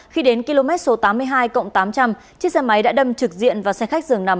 khi đến km số tám mươi hai tám trăm linh chiếc xe máy đã đâm trực diện vào xe khách dường nằm